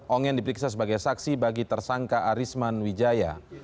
ongen diperiksa sebagai saksi bagi tersangka arisman wijaya